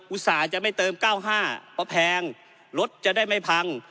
อุตส่าห์จะไม่เติม๙๕เพราะแพงรถจะได้ไม่พัง